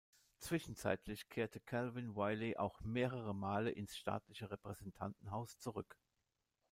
Zwischenzeitlich kehrte Calvin Willey auch mehrere Male ins staatliche Repräsentantenhaus zurück.